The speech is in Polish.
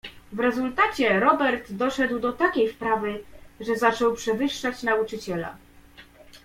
"W rezultacie Robert doszedł do takiej wprawy, że zaczął przewyższać nauczyciela."